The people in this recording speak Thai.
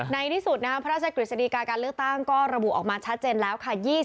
ในที่สุดนะครับพระราชกฤษฎีกาการเลือกตั้งก็ระบุออกมาชัดเจนแล้วค่ะ